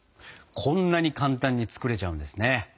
こんなに簡単に作れちゃうんですね。